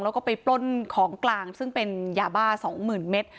แล้วก็ไปปล้นของกลางซึ่งเป็นยาบ้า๒๐๐๐เมตร